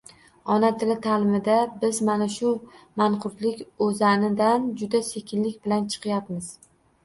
Ona tili taʼlimida biz mana shu “manqurtlik oʻzani”dan juda sekinlik bilan chiqyapmiz.